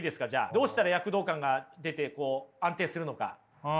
どうしたら躍動感が出て安定するのか？